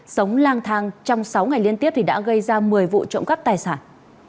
sống lang thang trong sáu ngày liên tiếp thì đã gây ra một mươi vụ trộm cắp tài sản